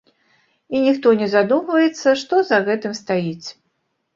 І ніхто не задумваецца, што за гэтым стаіць.